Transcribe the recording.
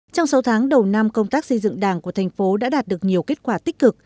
trong sáu tháng đầu năm công tác xây dựng đảng của thành phố đã đạt được nhiều kết quả tích cực